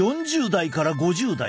４０代から５０代。